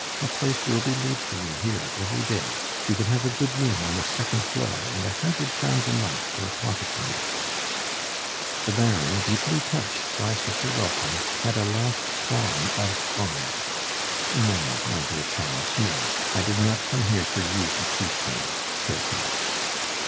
A place will be laid for you here every day; you can have a good room on the second floor, and a hundred crowns a month for pocket money." The Baron, deeply touched by such a welcome, had a last qualm of honor. "No, my dear child, no; I did not come here for you to keep me," said he.